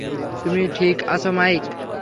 তুমি ঠিক আছ মাইক?